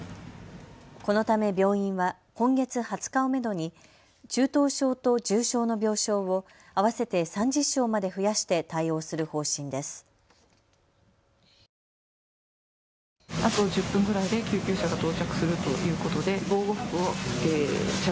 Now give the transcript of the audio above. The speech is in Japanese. このため病院は今月２０日をめどに中等症と重症の病床を合わせて３０床まで増やして対応する方針です。